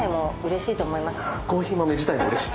コーヒー豆自体もうれしい？